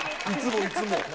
いつもいつも。